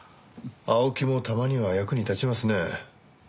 青木もたまには役に立ちますね。